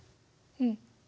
うん。